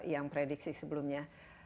yang prediksi sebelumnya